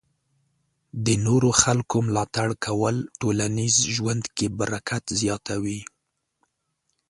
د نورو خلکو ملاتړ کول ټولنیز ژوند کې برکت زیاتوي.